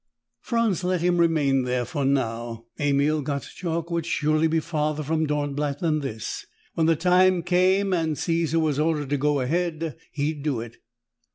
Franz let him remain there for now. Emil Gottschalk would surely be farther from Dornblatt than this. When the time came, and Caesar was ordered to go ahead, he'd do it.